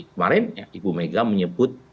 kemarin ibu mega menyebut